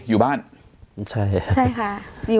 อุ้มิทัศน์มันก็มองรถนี่